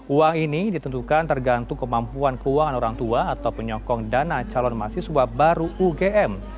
uang ini ditentukan tergantung kemampuan keuangan orang tua atau penyokong dana calon mahasiswa baru ugm